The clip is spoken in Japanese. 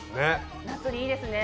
夏にいいですね。